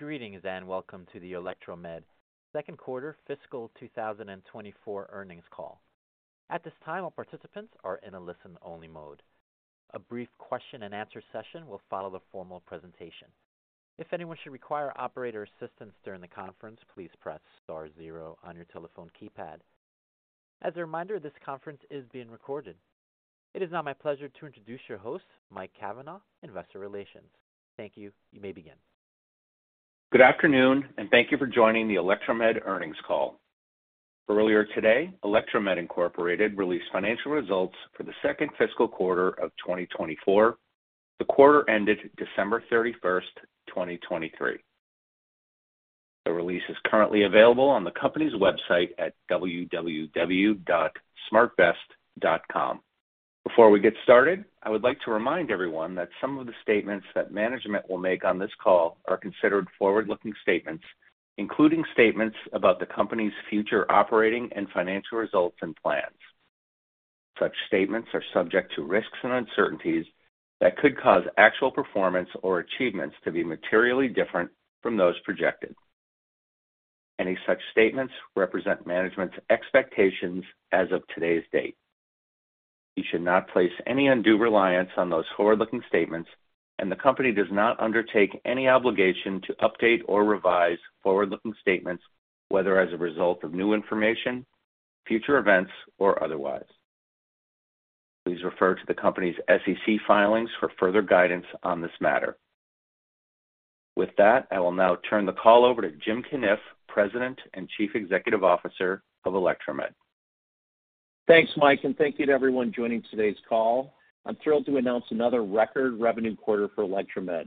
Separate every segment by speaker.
Speaker 1: Greetings, and welcome to the Electromed second quarter fiscal 2024 earnings call. At this time, all participants are in a listen-only mode. A brief question and answer session will follow the formal presentation. If anyone should require operator assistance during the conference, please press star zero on your telephone keypad. As a reminder, this conference is being recorded. It is now my pleasure to introduce your host, Mike Cavanaugh, Investor Relations. Thank you. You may begin.
Speaker 2: Good afternoon, and thank you for joining the Electromed earnings call. Earlier today, Electromed Incorporated released financial results for the second fiscal quarter of 2024. The quarter ended December 31st, 2023. The release is currently available on the company's website at www.smartvest.com. Before we get started, I would like to remind everyone that some of the statements that management will make on this call are considered forward-looking statements, including statements about the company's future operating and financial results and plans. Such statements are subject to risks and uncertainties that could cause actual performance or achievements to be materially different from those projected. Any such statements represent management's expectations as of today's date. You should not place any undue reliance on those forward-looking statements, and the company does not undertake any obligation to update or revise forward-looking statements, whether as a result of new information, future events, or otherwise. Please refer to the company's SEC filings for further guidance on this matter. With that, I will now turn the call over to Jim Cunniff, President and Chief Executive Officer of Electromed.
Speaker 3: Thanks, Mike, and thank you to everyone joining today's call. I'm thrilled to announce another record revenue quarter for Electromed.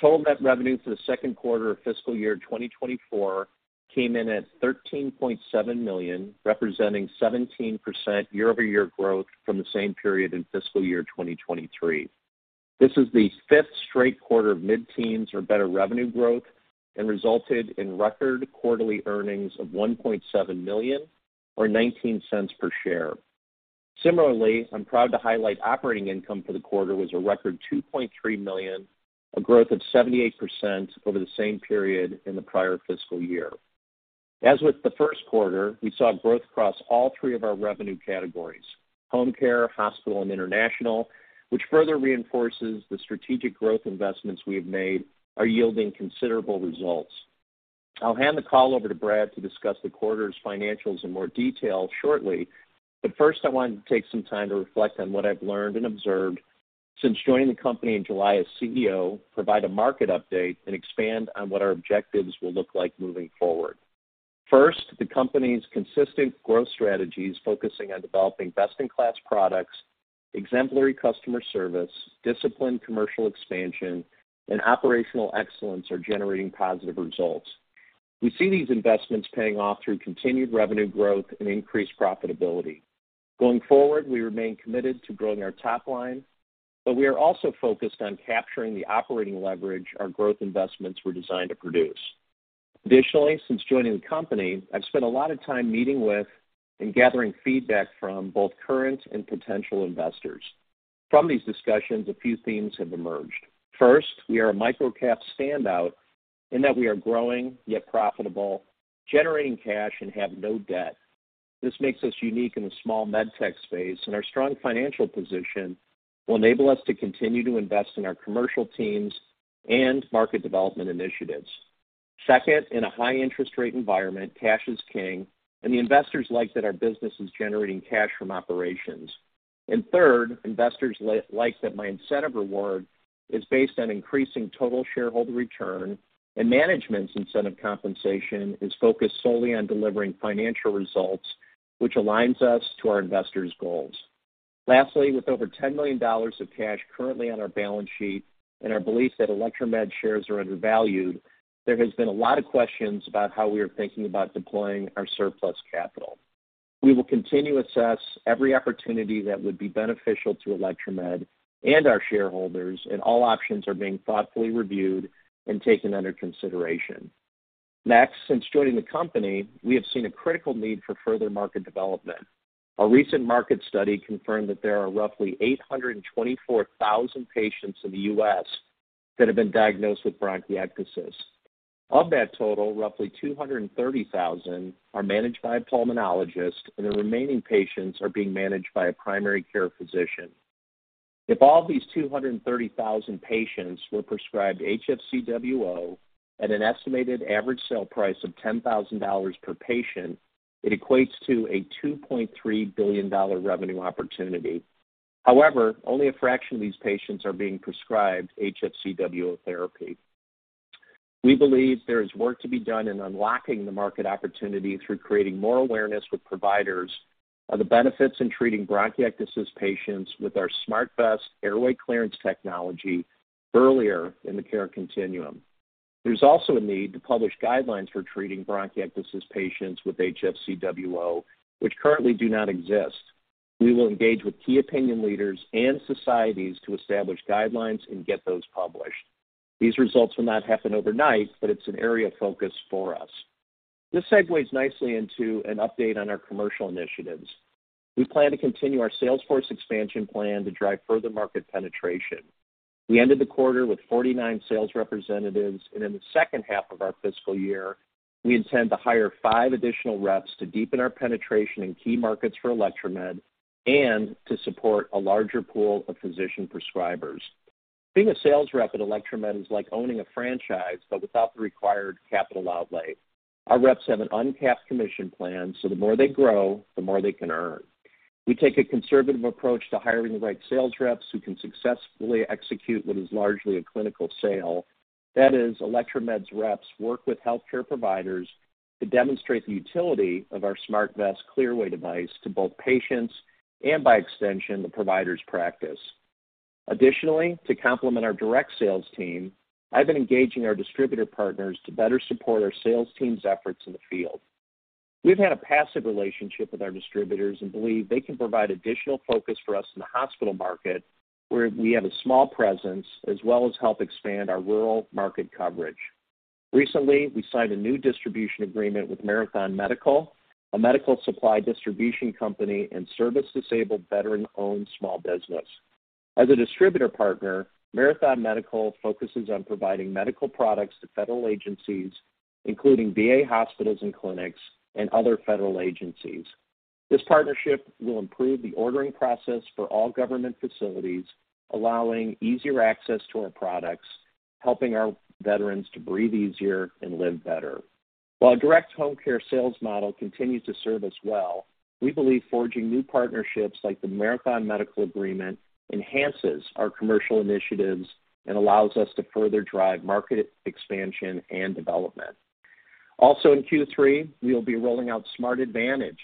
Speaker 3: Total net revenue for the second quarter of fiscal year 2024 came in at $13.7 million, representing 17% year-over-year growth from the same period in fiscal year 2023. This is the 5th straight quarter of mid-teens or better revenue growth and resulted in record quarterly earnings of $1.7 million, or $0.19 per share. Similarly, I'm proud to highlight operating income for the quarter was a record $2.3 million, a growth of 78% over the same period in the prior fiscal year. As with the first quarter, we saw growth across all three of our revenue categories: home care, hospital, and international, which further reinforces the strategic growth investments we have made are yielding considerable results. I'll hand the call over to Brad to discuss the quarter's financials in more detail shortly, but first, I wanted to take some time to reflect on what I've learned and observed since joining the company in July as CEO, provide a market update, and expand on what our objectives will look like moving forward. First, the company's consistent growth strategies, focusing on developing best-in-class products, exemplary customer service, disciplined commercial expansion, and operational excellence, are generating positive results. We see these investments paying off through continued revenue growth and increased profitability. Going forward, we remain committed to growing our top line, but we are also focused on capturing the operating leverage our growth investments were designed to produce. Additionally, since joining the company, I've spent a lot of time meeting with and gathering feedback from both current and potential investors. From these discussions, a few themes have emerged. First, we are a micro-cap standout in that we are growing, yet profitable, generating cash, and have no debt. This makes us unique in the small med tech space, and our strong financial position will enable us to continue to invest in our commercial teams and market development initiatives. Second, in a high interest rate environment, cash is king, and the investors like that our business is generating cash from operations. And third, investors like that my incentive reward is based on increasing total shareholder return, and management's incentive compensation is focused solely on delivering financial results, which aligns us to our investors' goals. Lastly, with over $10 million of cash currently on our balance sheet and our belief that Electromed shares are undervalued, there has been a lot of questions about how we are thinking about deploying our surplus capital. We will continue to assess every opportunity that would be beneficial to Electromed and our shareholders, and all options are being thoughtfully reviewed and taken under consideration. Next, since joining the company, we have seen a critical need for further market development. A recent market study confirmed that there are roughly 824,000 patients in the U.S. that have been diagnosed with bronchiectasis. Of that total, roughly 230,000 are managed by a pulmonologist, and the remaining patients are being managed by a primary care physician. If all these 230,000 patients were prescribed HFCWO at an estimated average sale price of $10,000 per patient, it equates to a $2.3 billion revenue opportunity. However, only a fraction of these patients are being prescribed HFCWO therapy. We believe there is work to be done in unlocking the market opportunity through creating more awareness with providers on the benefits in treating bronchiectasis patients with our SmartVest Airway Clearance Technology earlier in the care continuum. There's also a need to publish guidelines for treating bronchiectasis patients with HFCWO, which currently do not exist. We will engage with key opinion leaders and societies to establish guidelines and get those published. These results will not happen overnight, but it's an area of focus for us. This segues nicely into an update on our commercial initiatives. We plan to continue our sales force expansion plan to drive further market penetration. We ended the quarter with 49 sales representatives, and in the second half of our fiscal year, we intend to hire five additional reps to deepen our penetration in key markets for Electromed, and to support a larger pool of physician prescribers. Being a sales rep at Electromed is like owning a franchise, but without the required capital outlay. Our reps have an uncapped commission plan, so the more they grow, the more they can earn. We take a conservative approach to hiring the right sales reps who can successfully execute what is largely a clinical sale. That is, Electromed's reps work with healthcare providers to demonstrate the utility of our SmartVest Clearway device to both patients and, by extension, the provider's practice. Additionally, to complement our direct sales team, I've been engaging our distributor partners to better support our sales team's efforts in the field. We've had a passive relationship with our distributors and believe they can provide additional focus for us in the hospital market, where we have a small presence, as well as help expand our rural market coverage. Recently, we signed a new distribution agreement with Marathon Medical, a medical supply distribution company and service-disabled veteran-owned small business. As a distributor partner, Marathon Medical focuses on providing medical products to federal agencies, including VA hospitals and clinics and other federal agencies. This partnership will improve the ordering process for all government facilities, allowing easier access to our products, helping our veterans to breathe easier and live better. While our direct home care sales model continues to serve us well, we believe forging new partnerships like the Marathon Medical Agreement enhances our commercial initiatives and allows us to further drive market expansion and development. Also, in Q3, we will be rolling out Smart Advantage,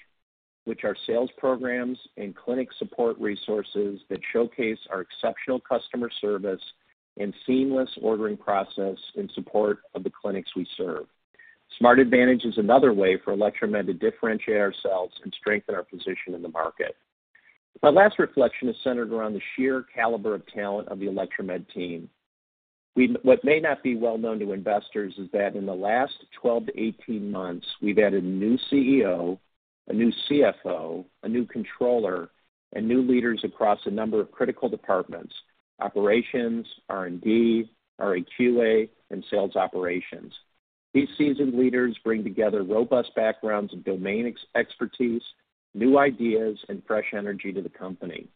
Speaker 3: which are sales programs and clinic support resources that showcase our exceptional customer service and seamless ordering process in support of the clinics we serve. Smart Advantage is another way for Electromed to differentiate ourselves and strengthen our position in the market. My last reflection is centered around the sheer caliber of talent of the Electromed team. What may not be well known to investors is that in the last 12-18 months, we've added a new CEO, a new CFO, a new controller, and new leaders across a number of critical departments: operations, R&D, RAQA, and sales operations. These seasoned leaders bring together robust backgrounds and domain expertise, new ideas, and fresh energy to the company.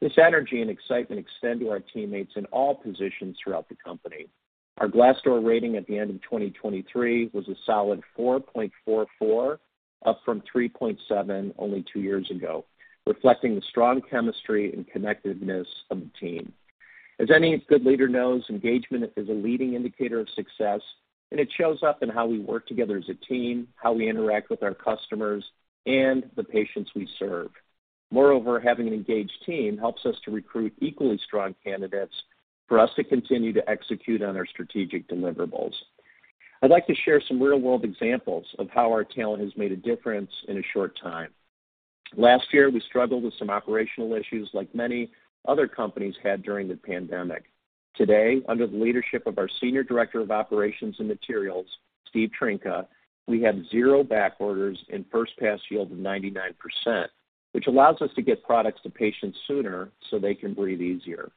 Speaker 3: This energy and excitement extend to our teammates in all positions throughout the company. Our Glassdoor rating at the end of 2023 was a solid 4.44, up from 3.7 only 2 years ago, reflecting the strong chemistry and connectedness of the team. As any good leader knows, engagement is a leading indicator of success, and it shows up in how we work together as a team, how we interact with our customers and the patients we serve. Moreover, having an engaged team helps us to recruit equally strong candidates for us to continue to execute on our strategic deliverables. I'd like to share some real-world examples of how our talent has made a difference in a short time. Last year, we struggled with some operational issues like many other companies had during the pandemic. Today, under the leadership of our Senior Director of Operations and Materials, Steve Trinka, we have 0 back orders and first pass yield of 99%, which allows us to get products to patients sooner, so they can breathe easier.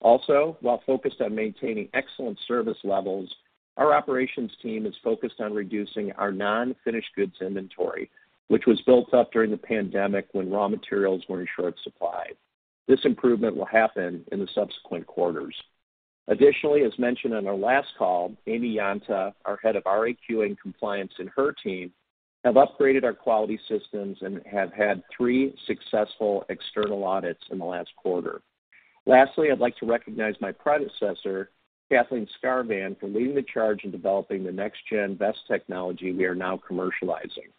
Speaker 3: Also, while focused on maintaining excellent service levels, our operations team is focused on reducing our non-finished goods inventory, which was built up during the pandemic when raw materials were in short supply. This improvement will happen in the subsequent quarters. Additionally, as mentioned on our last call, Amy Yanta, our Head of RAQ and Compliance and her team, have upgraded our quality systems and have had three successful external audits in the last quarter. Lastly, I'd like to recognize my predecessor, Kathleen Skarvan, for leading the charge in developing the next gen best technology we are now commercializing.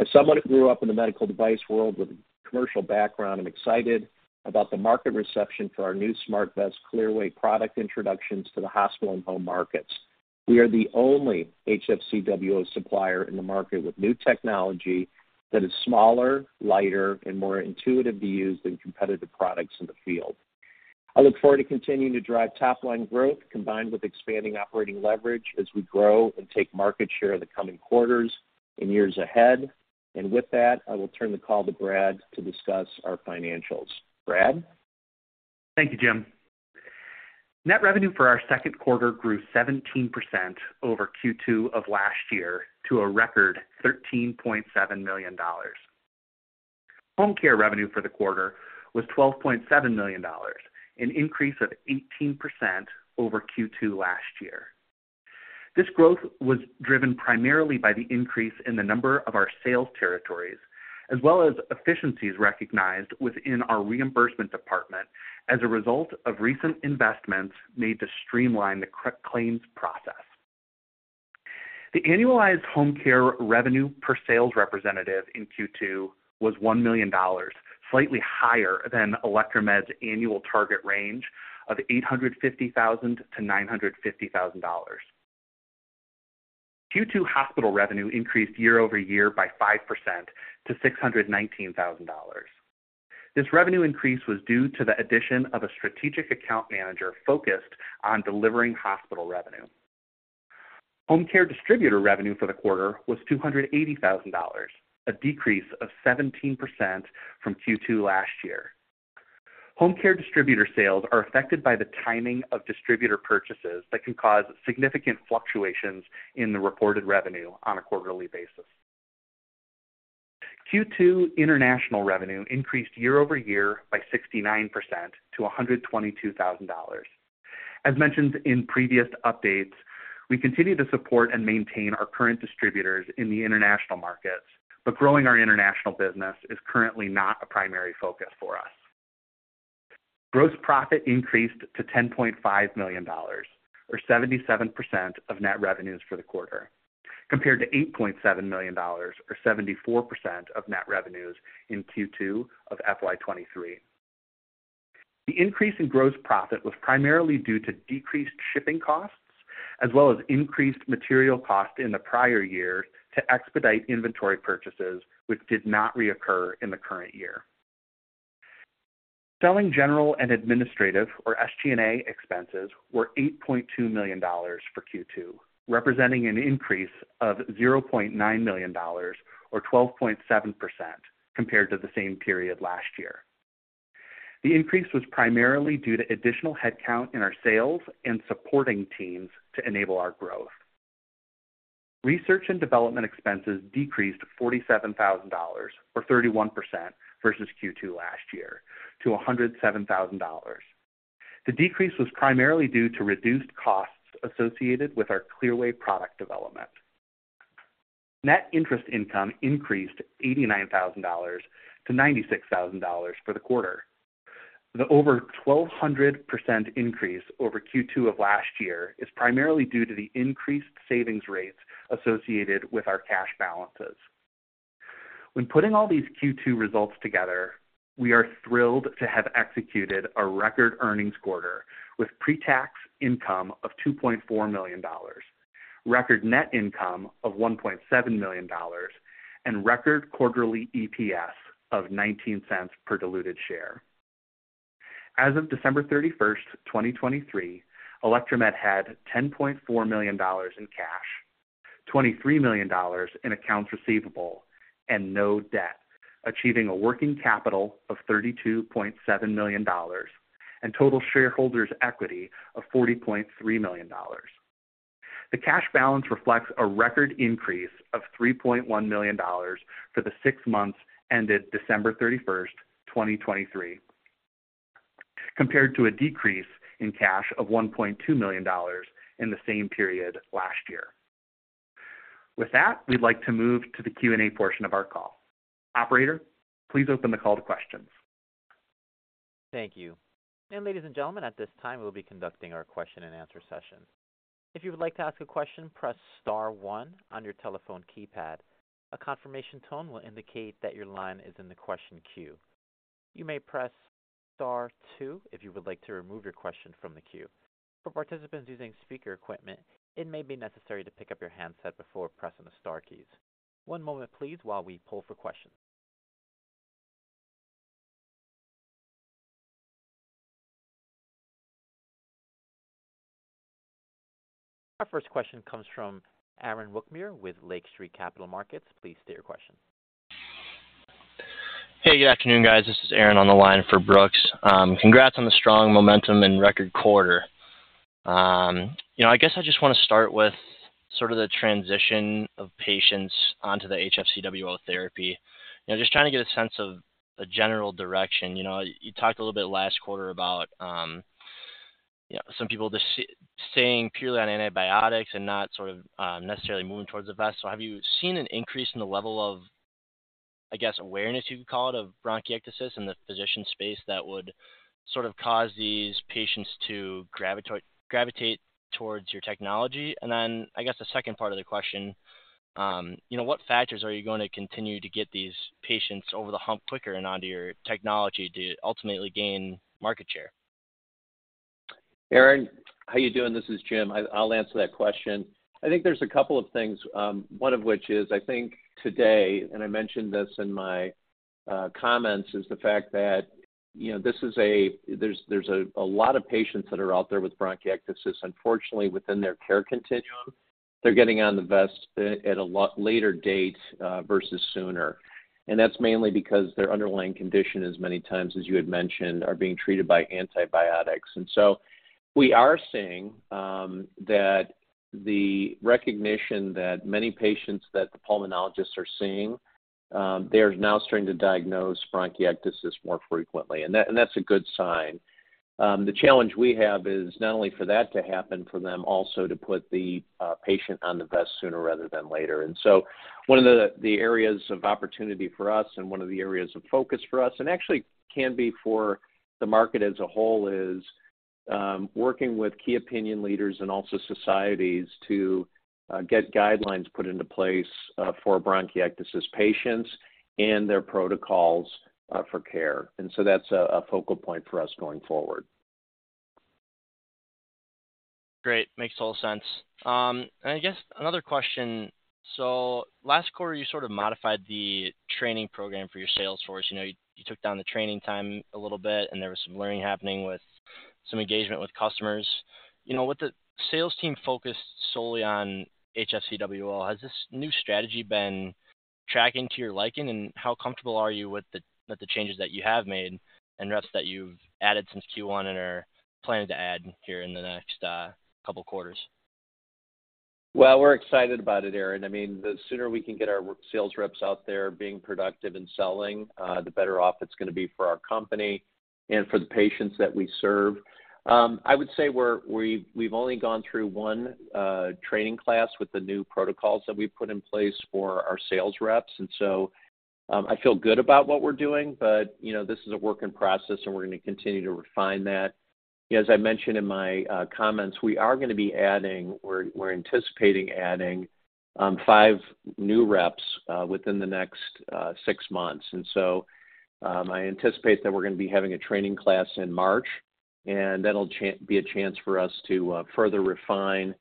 Speaker 3: As someone who grew up in the medical device world with a commercial background, I'm excited about the market reception for our new SmartVest Clearway product introductions to the hospital and home markets. We are the only HFCWO supplier in the market with new technology that is smaller, lighter, and more intuitive to use than competitive products in the field. I look forward to continuing to drive top-line growth, combined with expanding operating leverage as we grow and take market share in the coming quarters and years ahead. With that, I will turn the call to Brad to discuss our financials. Brad?
Speaker 4: Thank you, Jim. Net revenue for our second quarter grew 17% over Q2 of last year to a record $13.7 million. Home care revenue for the quarter was $12.7 million, an increase of 18% over Q2 last year. This growth was driven primarily by the increase in the number of our sales territories, as well as efficiencies recognized within our reimbursement department as a result of recent investments made to streamline the claims process. The annualized home care revenue per sales representative in Q2 was $1 million, slightly higher than Electromed's annual target range of $850,000-$950,000. Q2 hospital revenue increased year-over-year by 5% to $619,000. This revenue increase was due to the addition of a strategic account manager focused on delivering hospital revenue. Home care distributor revenue for the quarter was $280,000, a decrease of 17% from Q2 last year. Home care distributor sales are affected by the timing of distributor purchases that can cause significant fluctuations in the reported revenue on a quarterly basis. Q2 international revenue increased year-over-year by 69% to $122,000. As mentioned in previous updates, we continue to support and maintain our current distributors in the international markets, but growing our international business is currently not a primary focus for us. Gross profit increased to $10.5 million, or 77% of net revenues for the quarter, compared to $8.7 million, or 74% of net revenues in Q2 of FY 2023. The increase in gross profit was primarily due to decreased shipping costs, as well as increased material costs in the prior year to expedite inventory purchases, which did not reoccur in the current year. Selling general and administrative, or SG&A, expenses were $8.2 million for Q2, representing an increase of $0.9 million or 12.7% compared to the same period last year. The increase was primarily due to additional headcount in our sales and supporting teams to enable our growth. Research and development expenses decreased $47,000, or 31% versus Q2 last year, to $107,000. The decrease was primarily due to reduced costs associated with our Clearway product development. Net interest income increased $89,000 to $96,000 for the quarter. The over 1,200% increase over Q2 of last year is primarily due to the increased savings rates associated with our cash balances. When putting all these Q2 results together, we are thrilled to have executed a record earnings quarter with pre-tax income of $2.4 million, record net income of $1.7 million, and record quarterly EPS of $0.19 per diluted share. As of December 31st, 2023, Electromed had $10.4 million in cash, $23 million in accounts receivable, and no debt, achieving a working capital of $32.7 million and total shareholders equity of $40.3 million. The cash balance reflects a record increase of $3.1 million for the six months ended December 31st, 2023, compared to a decrease in cash of $1.2 million in the same period last year. With that, we'd like to move to the Q&A portion of our call. Operator, please open the call to questions.
Speaker 1: Thank you. Ladies and gentlemen, at this time, we'll be conducting our question and answer session. If you would like to ask a question, press star one on your telephone keypad. A confirmation tone will indicate that your line is in the question queue. You may press star two if you would like to remove your question from the queue. For participants using speaker equipment, it may be necessary to pick up your handset before pressing the star keys. One moment please while we pull for questions. Our first question comes from Aaron Rakers with Lake Street Capital Markets. Please state your question.
Speaker 5: Hey, good afternoon, guys. This is Aaron on the line for Brooks. Congrats on the strong momentum and record quarter. You know, I guess I just want to start with sort of the transition of patients onto the HFCWO therapy. You know, just trying to get a sense of the general direction. You know, you talked a little bit last quarter about, you know, some people just staying purely on antibiotics and not sort of, necessarily moving towards the vest. So have you seen an increase in the level of, I guess, awareness, you'd call it, of bronchiectasis in the physician space that would sort of cause these patients to gravitate, gravitate towards your technology? And then I guess the second part of the question, you know, what factors are you going to continue to get these patients over the hump quicker and onto your technology to ultimately gain market share?
Speaker 3: Aaron, how you doing? This is Jim. I'll answer that question. I think there's a couple of things, one of which is, I think today, and I mentioned this in my comments, is the fact that, you know, there's a lot of patients that are out there with bronchiectasis. Unfortunately, within their care continuum, they're getting on the vest at a lot later date versus sooner. And that's mainly because their underlying condition, as many times as you had mentioned, are being treated by antibiotics. And so we are seeing that the recognition that many patients that the pulmonologists are seeing, they are now starting to diagnose bronchiectasis more frequently, and that's a good sign. The challenge we have is not only for that to happen, for them also to put the patient on the vest sooner rather than later. And so one of the areas of opportunity for us and one of the areas of focus for us, and actually can be for the market as a whole, is working with key opinion leaders and also societies to get guidelines put into place for bronchiectasis patients and their protocols for care. And so that's a focal point for us going forward.
Speaker 5: Great, makes total sense. And I guess another question. So last quarter, you sort of modified the training program for your sales force. You know, you took down the training time a little bit, and there was some learning happening with some engagement with customers. You know, with the sales team focused solely on HFCWO, has this new strategy been tracking to your liking? And how comfortable are you with the changes that you have made and reps that you've added since Q1 and are planning to add here in the next couple quarters?
Speaker 3: Well, we're excited about it, Aaron. I mean, the sooner we can get our sales reps out there being productive and selling, the better off it's gonna be for our company and for the patients that we serve. I would say we've only gone through one training class with the new protocols that we've put in place for our sales reps. And so, I feel good about what we're doing, but, you know, this is a work in process, and we're gonna continue to refine that. As I mentioned in my comments, we are gonna be adding—we're anticipating adding five new reps within the next six months. And so, I anticipate that we're gonna be having a training class in March, and that'll be a chance for us to further refine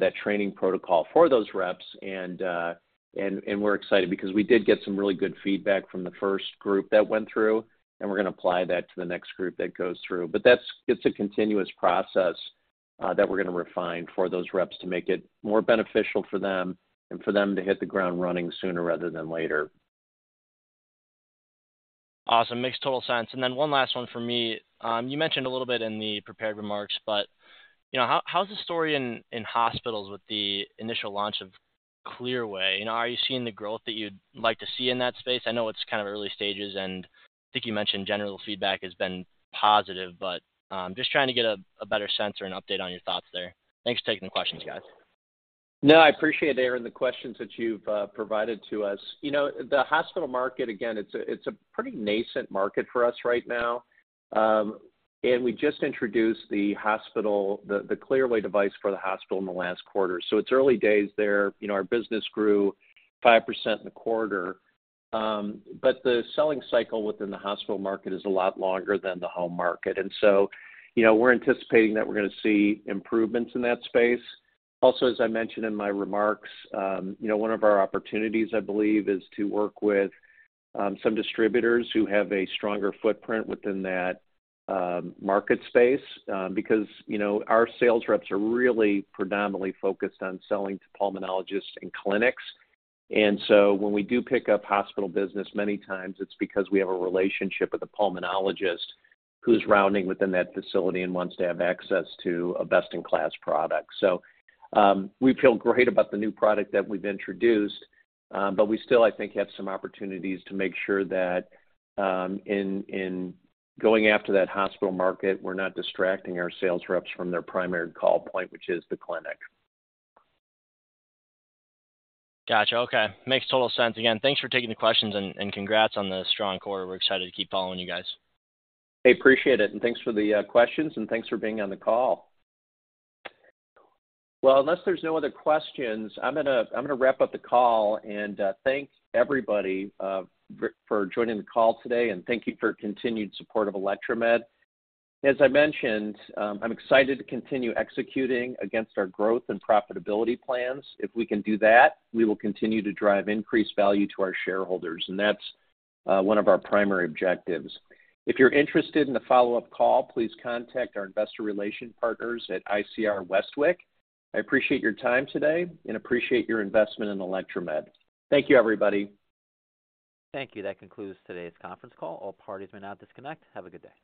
Speaker 3: that training protocol for those reps. And we're excited because we did get some really good feedback from the first group that went through, and we're gonna apply that to the next group that goes through. But it's a continuous process that we're gonna refine for those reps to make it more beneficial for them and for them to hit the ground running sooner rather than later.
Speaker 5: Awesome. Makes total sense. And then one last one for me. You mentioned a little bit in the prepared remarks, but, you know, how, how's the story in, in hospitals with the initial launch of Clearway? You know, are you seeing the growth that you'd like to see in that space? I know it's kind of early stages, and I think you mentioned general feedback has been positive, but, just trying to get a, a better sense or an update on your thoughts there. Thanks for taking the questions, guys.
Speaker 3: No, I appreciate it, Aaron, the questions that you've provided to us. You know, the hospital market, again, it's a pretty nascent market for us right now. And we just introduced the hospital Clearway device for the hospital in the last quarter, so it's early days there. You know, our business grew 5% in the quarter, but the selling cycle within the hospital market is a lot longer than the home market. And so, you know, we're anticipating that we're gonna see improvements in that space. Also, as I mentioned in my remarks, you know, one of our opportunities, I believe, is to work with some distributors who have a stronger footprint within that market space, because, you know, our sales reps are really predominantly focused on selling to pulmonologists and clinics. So when we do pick up hospital business, many times it's because we have a relationship with a pulmonologist who's rounding within that facility and wants to have access to a best-in-class product. So, we feel great about the new product that we've introduced, but we still, I think, have some opportunities to make sure that, in going after that hospital market, we're not distracting our sales reps from their primary call point, which is the clinic.
Speaker 5: Gotcha. Okay, makes total sense. Again, thanks for taking the questions, and, and congrats on the strong quarter. We're excited to keep following you guys.
Speaker 3: I appreciate it, and thanks for the questions, and thanks for being on the call. Well, unless there's no other questions, I'm gonna wrap up the call and thank everybody for joining the call today, and thank you for your continued support of Electromed. As I mentioned, I'm excited to continue executing against our growth and profitability plans. If we can do that, we will continue to drive increased value to our shareholders, and that's one of our primary objectives. If you're interested in the follow-up call, please contact our investor relation partners at ICR Westwicke. I appreciate your time today and appreciate your investment in Electromed. Thank you, everybody.
Speaker 1: Thank you. That concludes today's conference call. All parties may now disconnect. Have a good day.